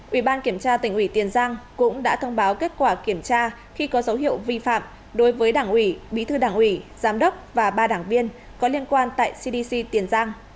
ủy ban kiểm tra tỉnh ủy tiền giang cũng đã thông báo kết quả kiểm tra khi có dấu hiệu vi phạm đối với đảng ủy bí thư đảng ủy giám đốc và ba đảng viên có liên quan tại cdc tiền giang